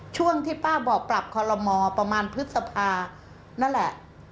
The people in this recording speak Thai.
ช่วงที่ป้าบอกปรับคอลโลมอประมาณพฤษภานั่นแหละ